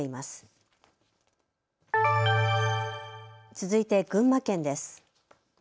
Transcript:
続いて群馬県です。